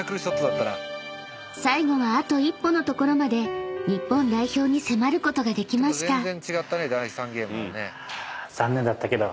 ［最後はあと一歩のところまで日本代表に迫ることができました］